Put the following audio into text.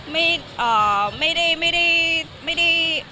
อ๋อไม่ได้ไม่ได้ไม่ได้คือ